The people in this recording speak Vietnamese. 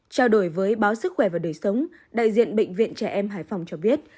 trao đổi với báo sức khỏe và đời sống đại diện bệnh viện trẻ em hải phòng cho biết